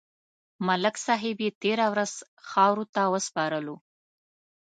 ملک صاحب یې تېره ورځ خاورو ته وسپارلو.